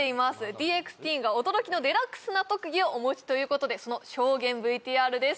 ＤＸＴＥＥＮが驚きのデラックスな特技をお持ちということでその証言ＶＴＲです